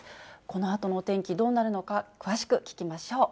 このあとのお天気、どうなるのか、詳しく聞きましょう。